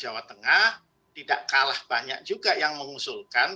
jawa tengah tidak kalah banyak juga yang mengusulkan